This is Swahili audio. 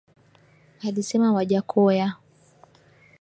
Alisema Wajackoya